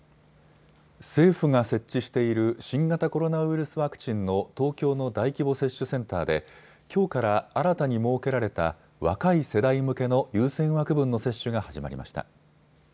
政府が設置している新型コロナウイルスワクチンの東京の大規模接種センターできょうから新たに設けられた若い世代向けの優先枠分の接種が始まりました。